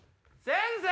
先生？